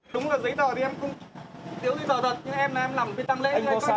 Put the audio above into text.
đúng là giấy tờ thì em không giấy tờ thật nhưng em là em làm viên tăng lễ